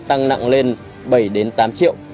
tăng nặng lên bảy tám triệu